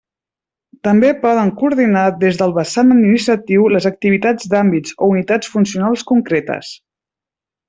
També poden coordinar des del vessant administratiu les activitats d'àmbits o unitats funcionals concretes.